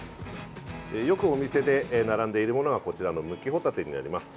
よくお店で並んでいるものがこちらの、むきホタテになります。